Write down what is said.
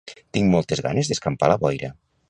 Tinc moltes ganes d'escampar la boira